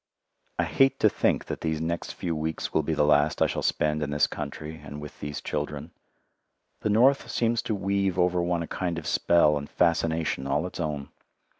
I hate to think that these next few weeks will be the last I shall spend in this country and with these children. The North seems to weave over one a kind of spell and fascination all its own.